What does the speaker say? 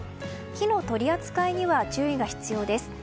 火の取り扱いには注意が必要です。